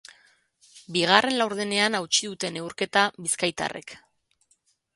Bigarren laurdenean hautsi dute neurketa bizkaitarrek.